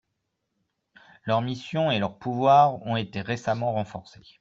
Leurs missions et leurs pouvoirs ont été récemment renforcés.